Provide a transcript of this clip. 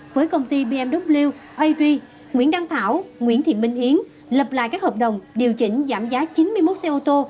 với công ty bmw ag nguyễn đăng thảo nguyễn thị minh yến lập lại các hợp đồng điều chỉnh giảm giá chín mươi một xe ô tô